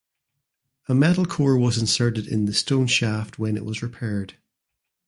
A metal core was inserted in the stone shaft when it was repaired.